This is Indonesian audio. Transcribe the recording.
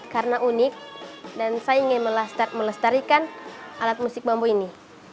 karena unik dan saya ingin melestarikan alat musik bambu ini